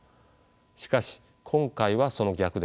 しかし今回はその逆です。